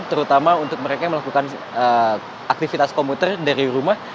terutama untuk mereka yang melakukan aktivitas komuter dari rumah